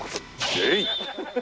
えい！